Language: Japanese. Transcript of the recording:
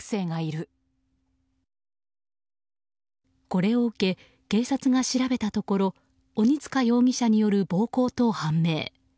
これを受け警察が調べたところ鬼塚容疑者による暴行と判明。